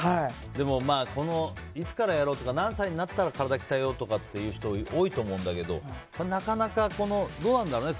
でも、いつからやろうとか何歳になったら体鍛えようとかっていう人多いと思うんだけどなかなか、どうなんだろうね。